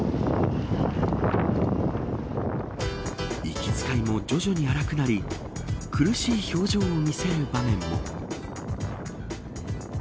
息遣いも徐々に荒くなり苦しい表情を見せる場面も。